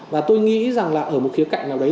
và tôi nghĩ rằng là ở một khía cạnh nào đấy